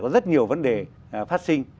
có rất nhiều vấn đề phát sinh